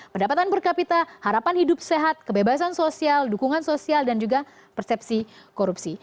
pendapatan per kapita harapan hidup sehat kebebasan sosial dukungan sosial dan juga persepsi korupsi